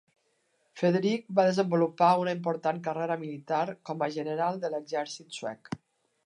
Frederic va desenvolupar una important carrera militar com a general de l'exèrcit suec.